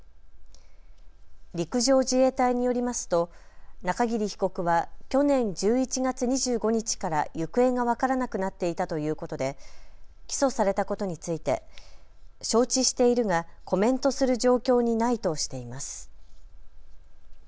陸上自衛隊によりますと中桐被告は去年１１月２５日から行方が分からなくなっていたということで起訴されたことについて承知しているがコメントする状況にないとしています。